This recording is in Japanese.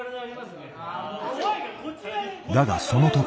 だがその時。